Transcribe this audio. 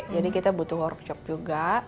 jadi kita butuh workshop juga